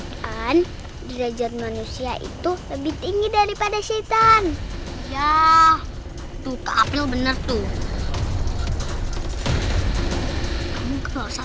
dan dirajat manusia itu lebih tinggi daripada syaitan ya tutup bener tuh